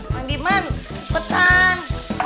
mang diman cepetan